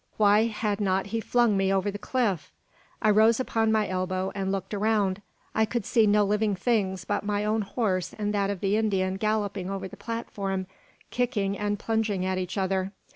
Why had not he flung me over the cliff? I rose upon my elbow and looked around. I could see no living things but my own horse and that of the Indian galloping over the platform, kicking and plunging at each other.